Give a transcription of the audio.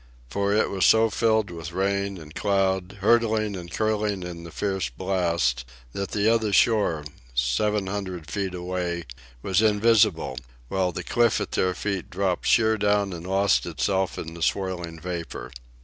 For it was so filled with rain and cloud, hurtling and curling in the fierce blast, that the other shore, seven hundred feet away, was invisible, while the cliff at their feet dropped sheer down and lost itself in the swirling vapor.